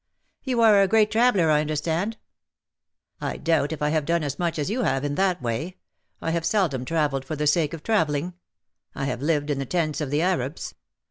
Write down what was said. ^' You are a great traveller, I understand ?"^' I doubt if I have done as much as you have in that way. I have seldom travelled for the sake of travelling. I have lived in the tents of the Arabs.